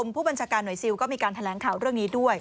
ผู้บัญชาการหน่วยซิลก็มีการแถลงข่าวเรื่องนี้ด้วย